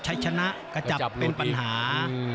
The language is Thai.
ใช้ชนะกระจับเป็นปัญหา